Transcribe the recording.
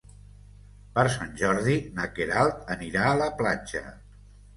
Per Sant Jordi na Queralt anirà a la platja.